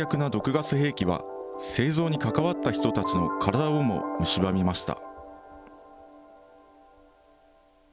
残虐な毒ガス兵器は、製造に関わった人たちの体をもむしばみました。